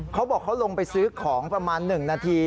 เขาบอกเขาลงไปซื้อของประมาณ๑นาที